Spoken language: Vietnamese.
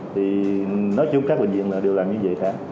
thì nói chung các bệnh viện là đều làm như vậy tháng